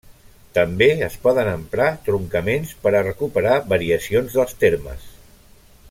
També es poden emprar truncaments per a recuperar variacions dels termes.